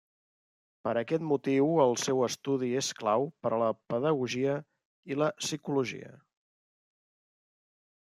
Per aquest motiu el seu estudi és clau per a la pedagogia i la psicologia.